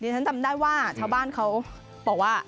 ฉันจำได้ว่าชาวบ้านเขาบอกว่า